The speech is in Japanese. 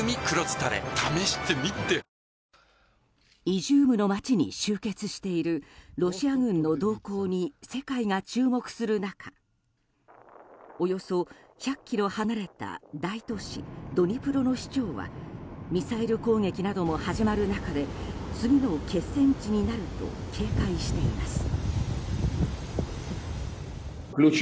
イジュームの街に集結しているロシア軍の動向に世界が注目する中およそ１００ｋｍ離れた大都市ドニプロの市長はミサイル攻撃なども始まる中で次の決戦地になると警戒しています。